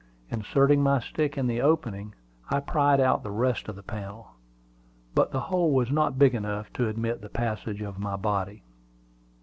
Inserting my stick in the opening, I pried out the rest of the panel. But the hole was not big enough to admit the passage of my body.